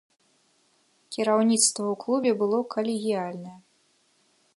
Кіраўніцтва ў клубе было калегіяльнае.